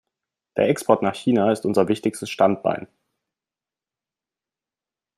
Der Export nach China ist unser wichtigstes Standbein.